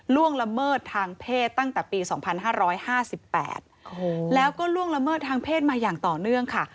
ล่วงละเมิดทางเพศตั้งแต่ปี๒๕๕๘แล้วก็ล่วงละเมิดทางเพศมาอย่างต่อเนื่องค่ะ